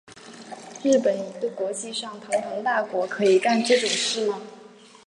日本一个国际上堂堂大国可以干这种事吗？